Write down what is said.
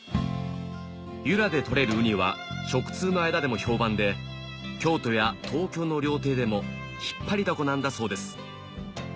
由良で取れるウニは食通の間でも評判で京都や東京の料亭でも引っ張りだこなんだそうです